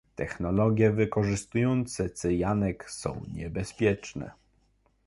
Technologie wykorzystujące cyjanek są niebezpieczne